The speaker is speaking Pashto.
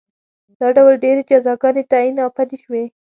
دا ډول ډېرې جزاګانې تعین او پلې شوې